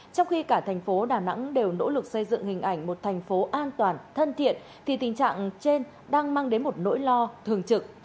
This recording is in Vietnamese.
trong khi cả thành phố đà nẵng đều nỗ lực xây dựng hình ảnh một thành phố an toàn thân thiện thì tình trạng trên đang mang đến một nỗi lo thường trực